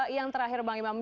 yang terakhir bang imam